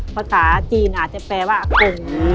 ภาษาจีนอาจจะแปลว่าอากง